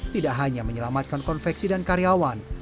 tidak hanya menyelamatkan konveksi dan karyawan